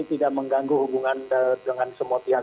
tidak mengganggu hubungan dengan semua pihak